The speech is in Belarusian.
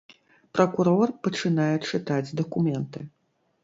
Пракурор пачынае чытаць дакументы.